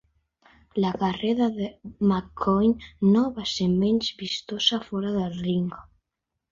La carrera de McCoy no va ser menys vistosa fora del ring.